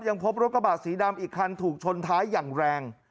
ยังพบรถกระบะสีดำอีกคันถูกชนท้ายอย่างแรง